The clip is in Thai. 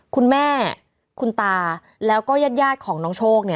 คุณแม่คุณตาแล้วก็ญาติของน้องโชค